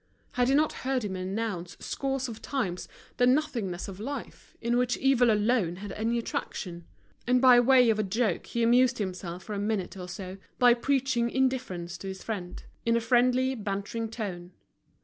Had he not heard him announce scores of times the nothingness of life, in which evil alone had any attraction? And by way of a joke he amused himself for a minute or so, by preaching indifference to his friend, in a friendly, bantering tone.